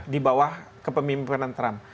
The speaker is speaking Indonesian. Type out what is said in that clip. di bawah kepemimpinan trump